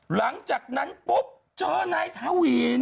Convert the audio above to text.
หลังจากนั้นปุ๊บเจอนายทวีน